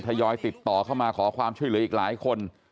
ทยอยติดต่อเข้ามาขอความช่วยเหลืออีกหลายคน